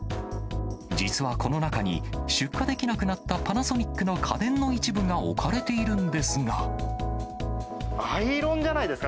実はこの中に、出荷できなくなったパナソニックの家電の一部が置かれているんでアイロンじゃないですか？